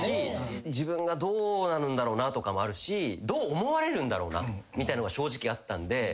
自分がどうなんだろうなとかもあるしどう思われるんだろうなみたいのが正直あったんで。